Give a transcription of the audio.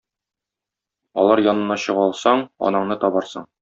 Алар янына чыга алсаң, анаңны табарсың.